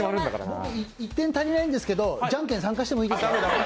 僕１点足りないんですけど、じゃんけん参加していいですか？